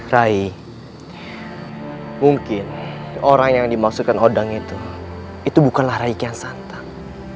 ray mungkin orang yang dimaksudkan odang itu bukanlah rai kian santang